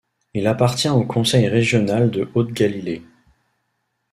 Il appartient au conseil régional de Haute Galilée.